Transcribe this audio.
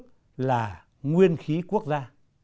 đó chính là nguyên khí quốc gia